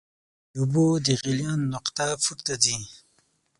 د اوبو د غلیان نقطه پورته ځي.